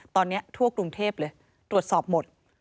ตอนนี้ทั่วกรุงเทพเลยตรวจสอบหมด